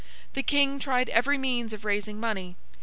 The King tried every means of raising money.